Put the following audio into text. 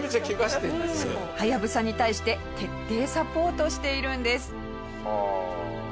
下平：ハヤブサに対して徹底サポートしているんです。